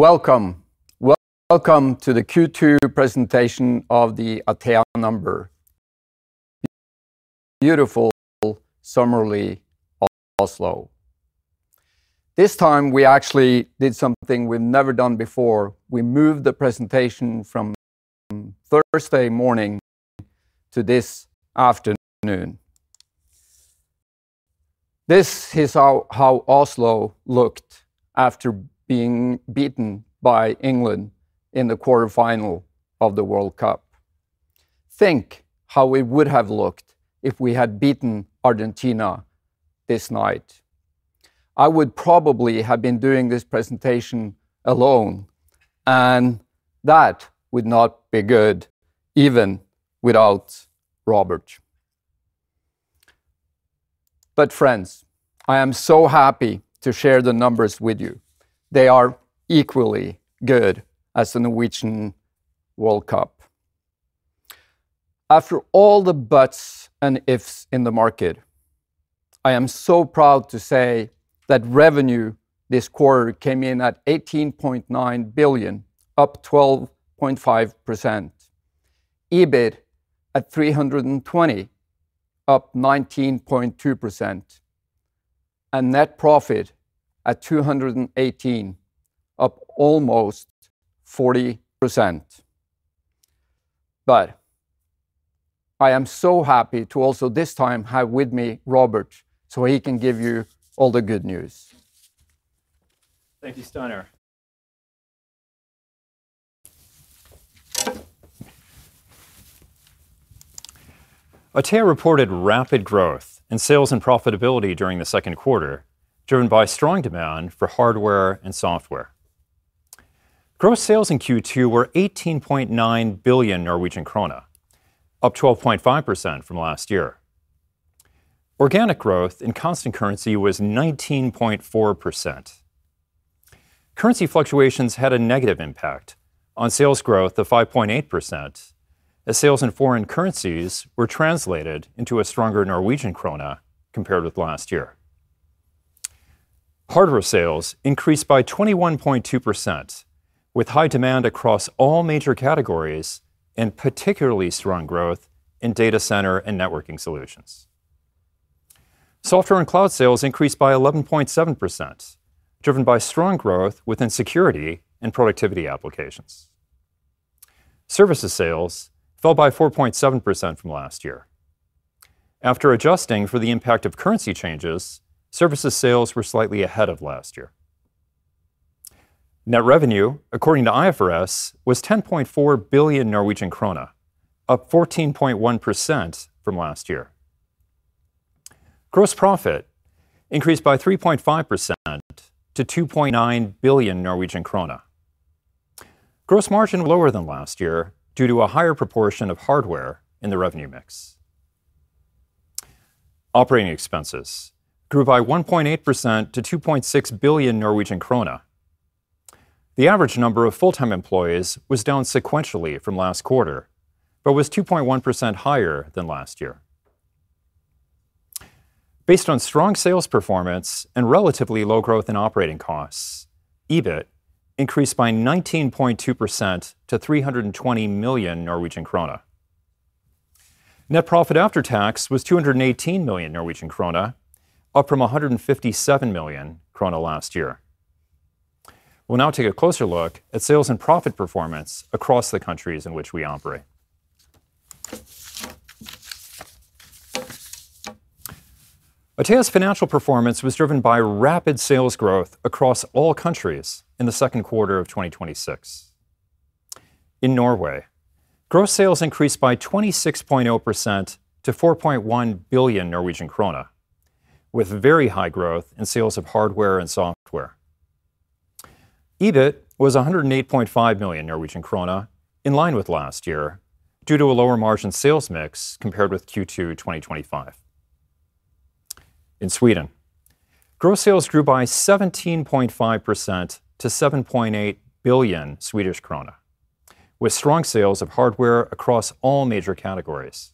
Welcome. Welcome to the Q2 presentation of the Atea Number. Here in beautiful, summery Oslo. This time, we actually did something we've never done before. We moved the presentation from Thursday morning to this afternoon. This is how Oslo looked after being beaten by England in the quarterfinal of the World Cup. Think how we would have looked if we had beaten Argentina this night. I would probably have been doing this presentation alone, and that would not be good, even without Robert. But friends, I am so happy to share the numbers with you. They are equally good as the Norwegian World Cup. After all the buts and ifs in the market, I am so proud to say that revenue this quarter came in at 18.9 billion, up 12.5%, EBIT at 320 million, up 19.2%, and net profit at 218 million, up almost 40%. I am so happy to also this time have with me Robert, so he can give you all the good news. Thank you, Steinar. Atea reported rapid growth in sales and profitability during the second quarter, driven by strong demand for hardware and software. Gross sales in Q2 were 18.9 billion Norwegian krone, up 12.5% from last year. Organic growth in constant currency was 19.4%. Currency fluctuations had a negative impact on sales growth of 5.8%, as sales in foreign currencies were translated into a stronger Norwegian krone compared with last year. Hardware sales increased by 21.2%, with high demand across all major categories, and particularly strong growth in data center and networking solutions. Software and cloud sales increased by 11.7%, driven by strong growth within security and productivity applications. Services sales fell by 4.7% from last year. After adjusting for the impact of currency changes, services sales were slightly ahead of last year. Net revenue, according to IFRS, was 10.4 billion Norwegian krone, up 14.1% from last year. Gross profit increased by 3.5% to 2.9 billion Norwegian krone gross margin lower than last year due to a higher proportion of hardware in the revenue mix. Operating expenses grew by 1.8% to 2.6 billion Norwegian krone. The average number of full-time employees was down sequentially from last quarter, but was 2.1% higher than last year. Based on strong sales performance and relatively low growth in operating costs, EBIT increased by 19.2% to 320 million Norwegian krone. Net profit after tax was 218 million Norwegian krone, up from 157 million krone last year. We'll now take a closer look at sales and profit performance across the countries in which we operate. Atea's financial performance was driven by rapid sales growth across all countries in the second quarter of 2026. In Norway, gross sales increased by 26.0% to 4.1 billion Norwegian krone, with very high growth in sales of hardware and software. EBIT was 108.5 million Norwegian krone, in line with last year, due to a lower margin sales mix compared with Q2 2025. In Sweden, gross sales grew by 17.5% to 7.8 billion Swedish krona, with strong sales of hardware across all major categories.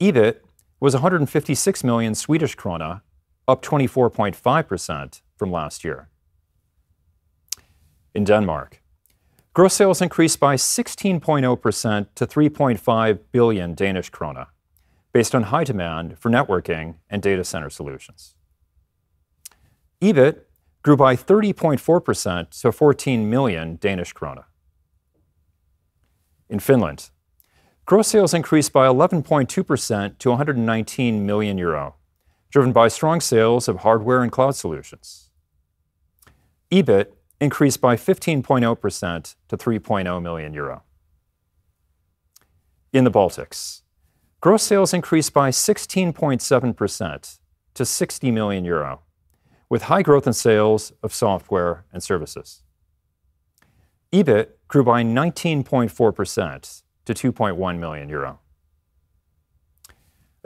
EBIT was 156 million Swedish krona, up 24.5% from last year. In Denmark, gross sales increased by 16.0% to 3.5 billion Danish krone based on high demand for networking and data center solutions. EBIT grew by 30.4% to 14 million Danish krone. In Finland, gross sales increased by 11.2% to 119 million euro, driven by strong sales of hardware and cloud solutions. EBIT increased by 15.0% to 3.0 million euro. In the Baltics, gross sales increased by 16.7% to 60 million euro, with high growth in sales of software and services. EBIT grew by 19.4% to 2.1 million euro.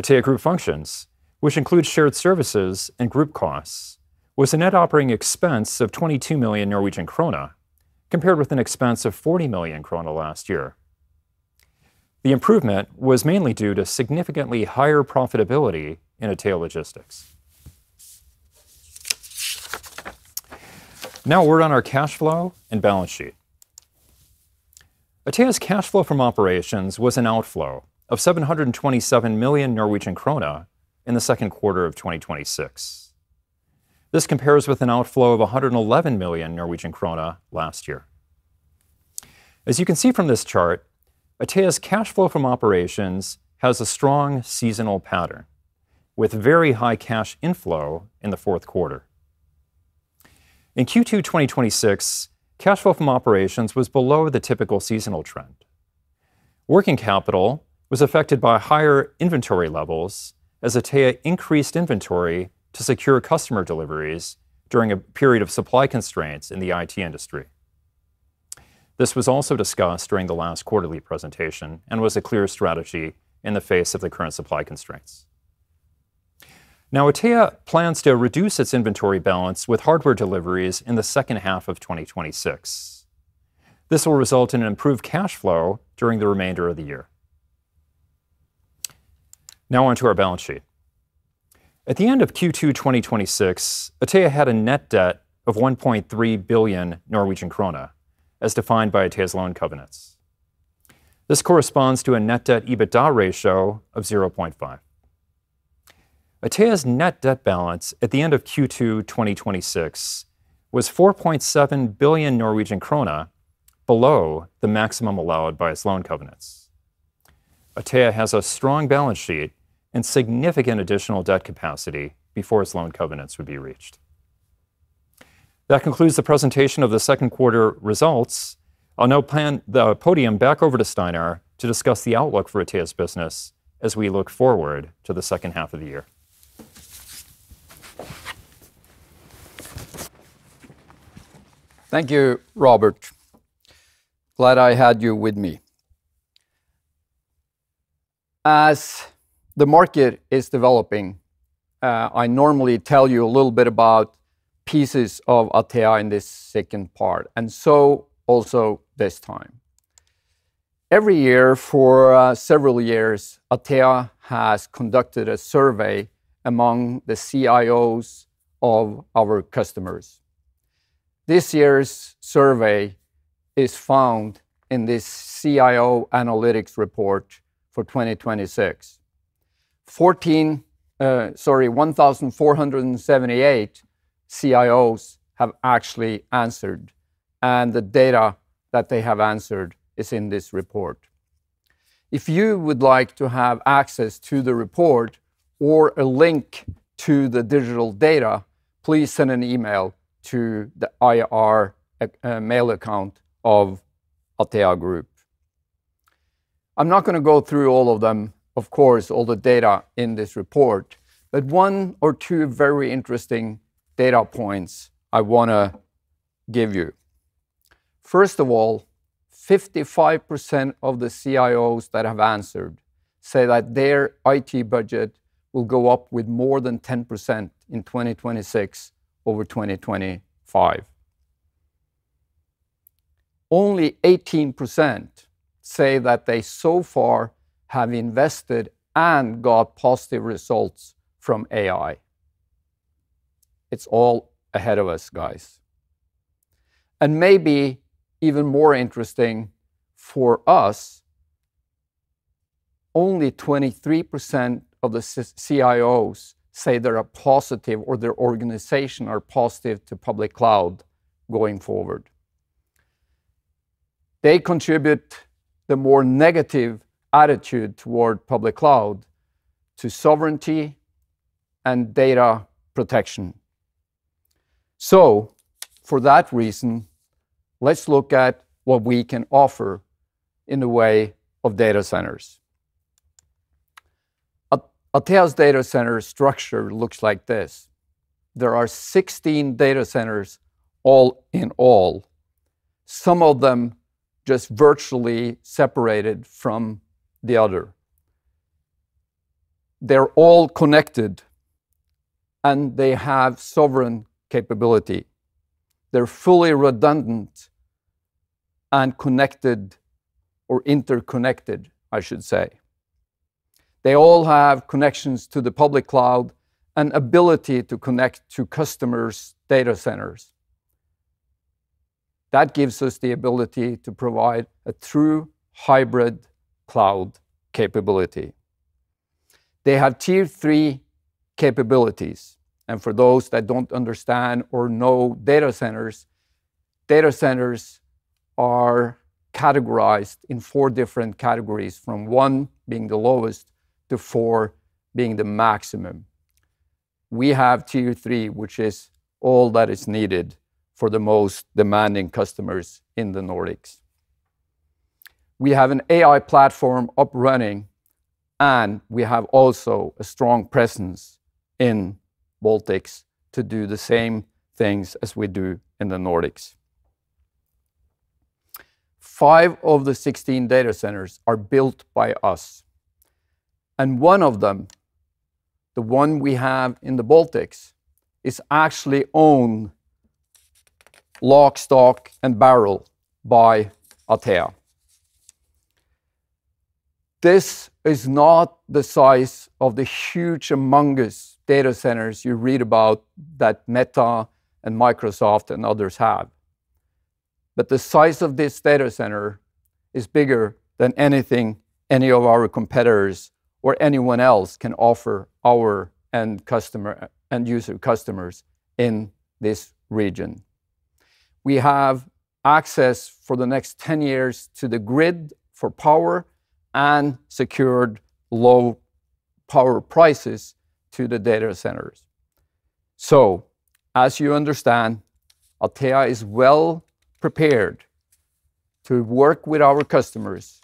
Atea Group Functions, which includes shared services and group costs, was a net operating expense of 22 million Norwegian krone, compared with an expense of 40 million krone last year. The improvement was mainly due to significantly higher profitability in Atea Logistics. Now a word on our cash flow and balance sheet. Atea's cash flow from operations was an outflow of 727 million Norwegian krone in the second quarter of 2026. This compares with an outflow of 111 million Norwegian krone last year. As you can see from this chart, Atea's cash flow from operations has a strong seasonal pattern, with very high cash inflow in the fourth quarter. In Q2 2026, cash flow from operations was below the typical seasonal trend. Working capital was affected by higher inventory levels as Atea increased inventory to secure customer deliveries during a period of supply constraints in the IT industry. This was also discussed during the last quarterly presentation and was a clear strategy in the face of the current supply constraints. Atea plans to reduce its inventory balance with hardware deliveries in the second half of 2026. This will result in improved cash flow during the remainder of the year. Now on to our balance sheet. At the end of Q2 2026, Atea had a net debt of 1.3 billion Norwegian krone, as defined by Atea's loan covenants. This corresponds to a net debt EBITDA ratio of 0.5x. Atea's net debt balance at the end of Q2 2026 was 4.7 billion Norwegian krone below the maximum allowed by its loan covenants. Atea has a strong balance sheet and significant additional debt capacity before its loan covenants would be reached. That concludes the presentation of the second quarter results. I'll now hand the podium back over to Steinar to discuss the outlook for Atea's business as we look forward to the second half of the year. Thank you, Robert. Glad I had you with me. As the market is developing, I normally tell you a little bit about pieces of Atea in this second part, also this time. Every year for several years, Atea has conducted a survey among the CIOs of our customers. This year's survey is found in this CIO Analytics report for 2026. 1,478 CIOs have actually answered, and the data that they have answered is in this report. If you would like to have access to the report or a link to the digital data, please send an email to the IR mail account of Atea Group. I'm not going to go through all of them, of course, all the data in this report, but one or two very interesting data points I want to give you. First of all, 55% of the CIOs that have answered say that their IT budget will go up with more than 10% in 2026 over 2025. Only 18% say that they so far have invested and got positive results from AI. It's all ahead of us, guys. Maybe even more interesting for us, only 23% of the CIOs say they're positive, or their organization are positive to public cloud going forward. They contribute the more negative attitude toward public cloud to sovereignty and data protection. For that reason, let's look at what we can offer in the way of data centers. Atea's data center structure looks like this. There are 16 data centers all in all, some of them just virtually separated from the other. They're all connected, and they have sovereign capability. They're fully redundant and connected, or interconnected I should say. They all have connections to the public cloud and ability to connect to customers' data centers. That gives us the ability to provide a true hybrid cloud capability. They have Tier 3 capabilities, for those that don't understand or know data centers, data centers are categorized in four different categories, from one being the lowest to four being the maximum. We have Tier 3, which is all that is needed for the most demanding customers in the Nordics. We have an AI platform up running, we have also a strong presence in Baltics to do the same things as we do in the Nordics. Five of the 16 data centers are built by us. One of them, the one we have in the Baltics, is actually owned lock, stock, and barrel by Atea. This is not the size of the huge, humongous data centers you read about that Meta and Microsoft and others have. The size of this data center is bigger than anything any of our competitors or anyone else can offer our end user customers in this region. We have access for the next 10 years to the grid for power and secured low power prices to the data centers. As you understand, Atea is well prepared to work with our customers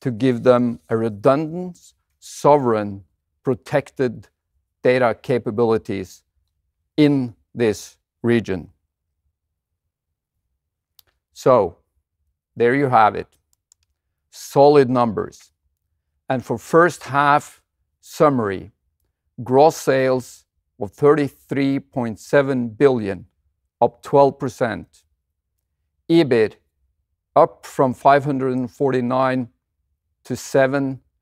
to give them a redundant, sovereign, protected data capabilities in this region. There you have it, solid numbers. For first half summary, gross sales of 33.7 billion, up 12%. EBIT up from 549 million to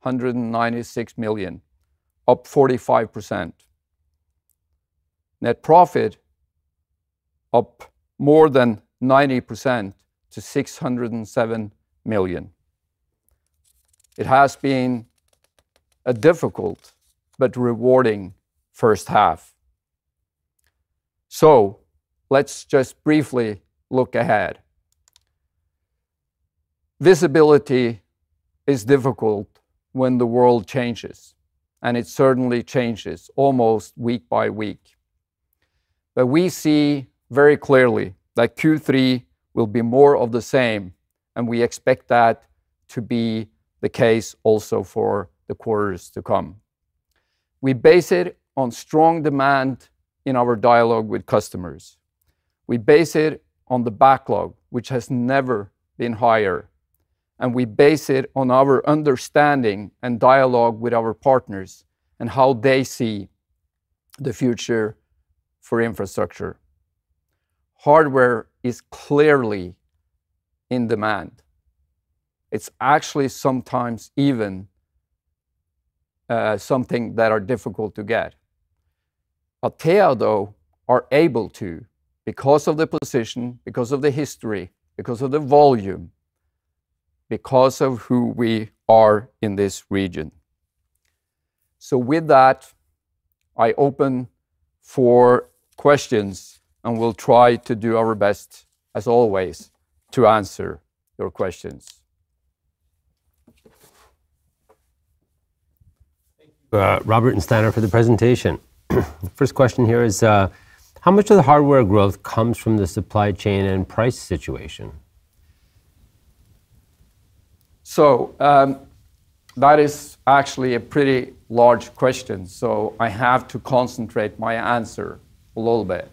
796 million, up 45%. Net profit up more than 90% to 607 million. It has been a difficult but rewarding first half. Let's just briefly look ahead. Visibility is difficult when the world changes. It certainly changes almost week by week. But we see very clearly that Q3 will be more of the same, and we expect that to be the case also for the quarters to come. We base it on strong demand in our dialogue with customers. We base it on the backlog, which has never been higher, and we base it on our understanding and dialogue with our partners and how they see the future for infrastructure. Hardware is clearly in demand. It is actually sometimes even something that are difficult to get. Atea, though, are able to, because of the position, because of the history, because of the volume, because of who we are in this region. With that, I open for questions, and we will try to do our best, as always, to answer your questions. Thank you, Robert and Steinar, for the presentation. The first question here is, how much of the hardware growth comes from the supply chain and price situation? That is actually a pretty large question, so I have to concentrate my answer a little bit.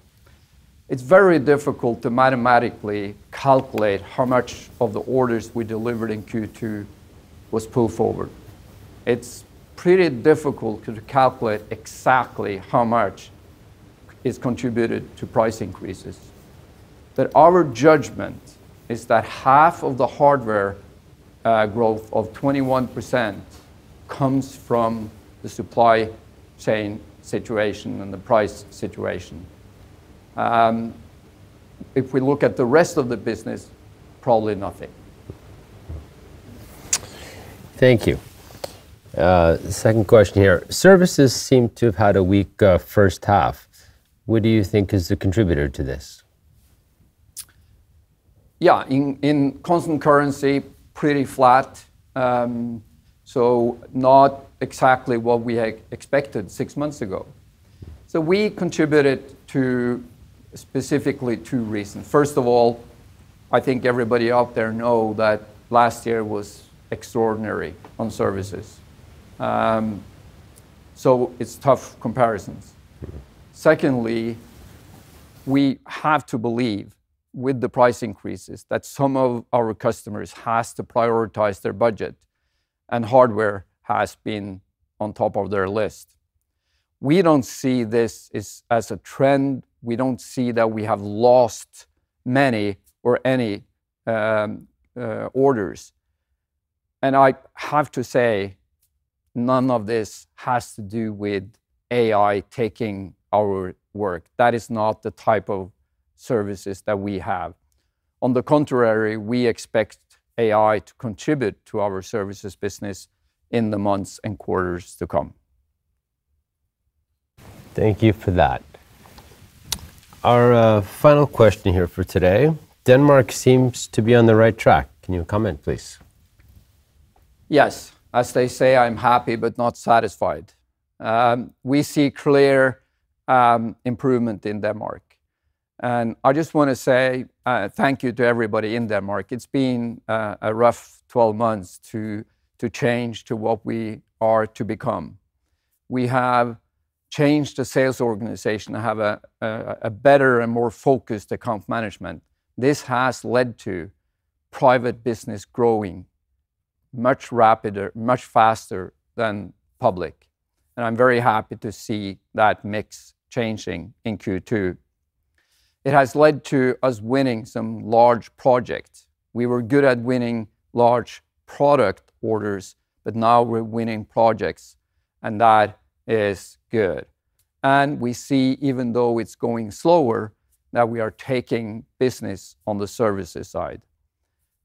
It is very difficult to mathematically calculate how much of the orders we delivered in Q2 was pulled forward. It is pretty difficult to calculate exactly how much is contributed to price increases. But our judgment is that half of the hardware growth of 21% comes from the supply chain situation and the price situation. If we look at the rest of the business, probably nothing. Thank you. Second question here. Services seem to have had a weak first half. What do you think is the contributor to this? Yeah. In constant currency, pretty flat. Not exactly what we had expected six months ago. We contribute it to specifically two reasons. First of all, I think everybody out there knows that last year was extraordinary on services. So it's tough comparisons. Secondly, we have to believe with the price increases that some of our customers have to prioritize their budget, and hardware has been on top of their list. We don't see this as a trend. We don't see that we have lost many or any orders. I have to say, none of this has to do with AI taking our work. That is not the type of services that we have. On the contrary, we expect AI to contribute to our services business in the months and quarters to come. Thank you for that. Our final question here for today. Denmark seems to be on the right track. Can you comment, please? Yes. As they say, I'm happy but not satisfied. We see clear improvement in Denmark. I just want to say thank you to everybody in Denmark. It's been a rough 12 months to change to what we are to become. We have changed the sales organization to have a better and more focused account management. This has led to private business growing much faster than public, and I'm very happy to see that mix changing in Q2. It has led to us winning some large projects. We were good at winning large product orders, but now we're winning projects, and that is good. We see, even though it's going slower, that we are taking business on the services side.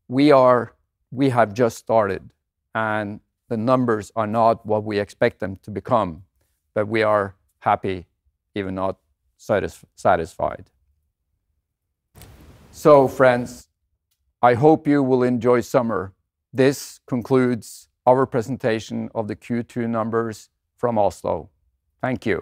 We have just started, and the numbers are not what we expect them to become. We are happy, if not satisfied. Friends, I hope you will enjoy summer. This concludes our presentation of the Q2 numbers from Oslo. Thank you.